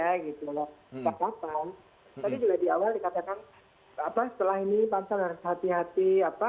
tadi juga di awal dikatakan setelah ini pansel harus hati hati